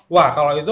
wah kalau itu